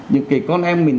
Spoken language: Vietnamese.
những cái con em mình